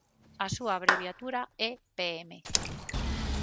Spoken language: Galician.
A súa abreviatura é pm.